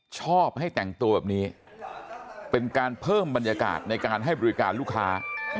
ชอบให้แต่งตัวแบบนี้เป็นการเพิ่มบรรยากาศในการให้บริการลูกค้า